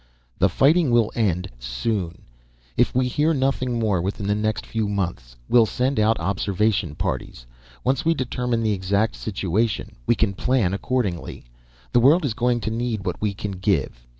"The fighting will end soon. If we hear nothing more within the next few months, we'll send out observation parties. Once we determine the exact situation, we can plan accordingly. The world is going to need what we can give.